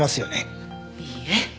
いいえ。